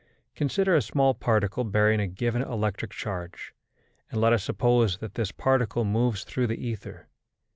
Consider a small particle bearing a given electric charge, and let us suppose that this particle moves through the ether.